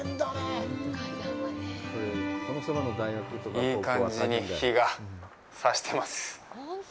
いい感じに日が差してます。